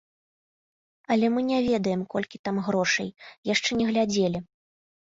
Але мы не ведаем, колькі там грошай, яшчэ не глядзелі.